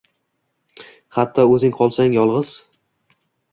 Hatto o’zing qolsang yolg’iz